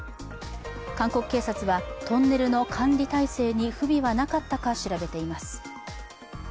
韓国警察はトンネルの管理体制に不備はなかったか調べています。